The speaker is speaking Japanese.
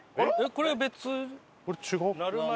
これは別。